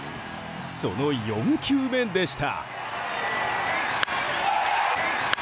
その４球目でした。